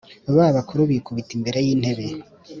Ba bakuru bikubita imbere y’intebe